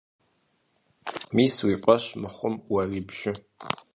Мис, уи фӀэщ мыхъум, уэри бжы.